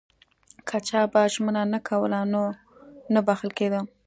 که چا به ژمنه نه کوله نو نه بخښل کېده.